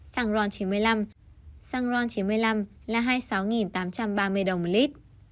xăng ron chín mươi năm là hai mươi sáu tám trăm ba mươi đồng một lít